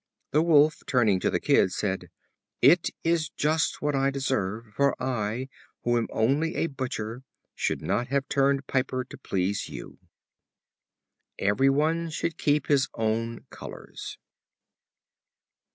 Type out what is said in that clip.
The Wolf, turning to the Kid, said: "It is just what I deserve; for I, who am only a butcher, should not have turned piper to please you." Every one should keep his own colors.